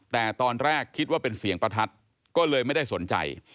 แต่ตอนแรกคิดว่าเป็นเสียงประทัดก็เลยไม่ได้สนใจ